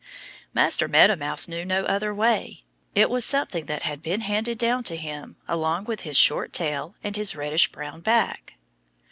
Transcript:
Master Meadow Mouse knew no other way. It was something that had been handed down to him along with his short tail and his reddish brown back.